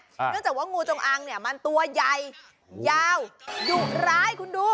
เนื่องจากว่างูจงอังเนี่ยมันตัวใหญ่ยาวดุร้ายคุณดู